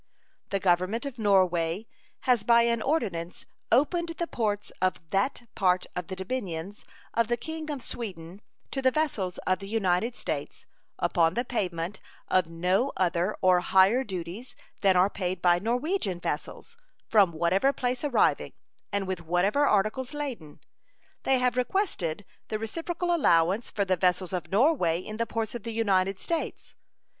The Government of Norway has by an ordinance opened the ports of that part of the dominions of the King of Sweden to the vessels of the United States upon the payment of no other or higher duties than are paid by Norwegian vessels, from whatever place arriving and with whatever articles laden. They have requested the reciprocal allowance for the vessels of Norway in the ports of the United States.